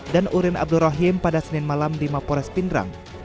dan urin abdur rahim pada senin malam di mapores pindrang